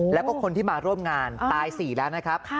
แล้วก็คนที่มาร่วมงานตาย๔แล้วนะครับ